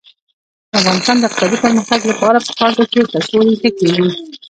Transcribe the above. د افغانستان د اقتصادي پرمختګ لپاره پکار ده چې کڅوړې تکې وي.